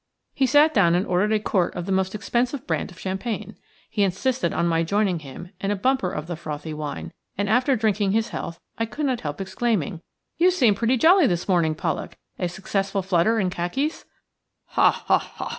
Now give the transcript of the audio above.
He sat down and ordered a quart of the most expensive brand of champagne. He insisted on my joining him in a bumper of the frothy wine, and after drinking his health I could not help exclaiming:– "You seem pretty jolly this morning, Pollak. A successful flutter in Khakis?" "Ha, ha, ha!"